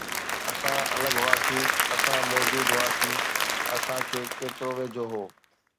اسان الڳ هئاسين، اسان موجود هئاسين، اسان کي ڪيترو ويجهو هو